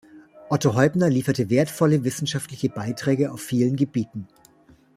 Otto Heubner lieferte wertvolle wissenschaftliche Beiträge auf vielen Gebieten.